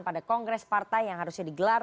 pada kongres partai yang harusnya digelar